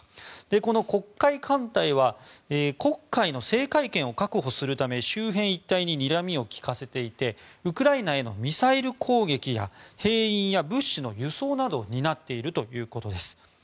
この黒海艦隊は黒海の制海権を確保するため、周辺一帯ににらみを利かせていてウクライナへのミサイル攻撃や兵員や物資の輸送などを担っているということです。